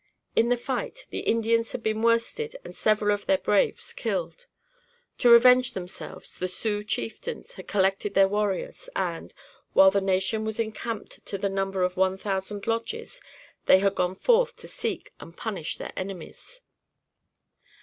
In the fight the Indians had been worsted and several of their braves killed. To revenge themselves the Sioux chieftains had collected their warriors; and, while the nation was encamped to the number of one thousand lodges, they had gone forth to seek and punish their enemies.